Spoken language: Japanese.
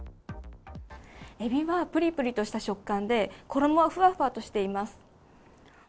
エビはぷりぷりとした食感で、衣はふわふわとしています。